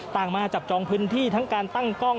มาจับจองพื้นที่ทั้งการตั้งกล้อง